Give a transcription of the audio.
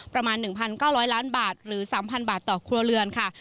ประมาณ๑๙๐๐ล้านบาทหรือ๓๐๐บาทต่อครัวเรือนค่ะ